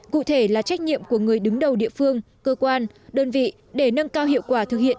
cụ thể là trách nhiệm của người đứng đầu địa phương cơ quan đơn vị để nâng cao hiệu quả thực hiện